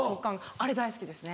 あれ大好きですね。